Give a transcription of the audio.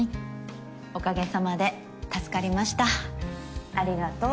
おかげさまで助かりましたありがとう。